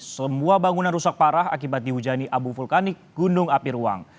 semua bangunan rusak parah akibat dihujani abu vulkanik gunung api ruang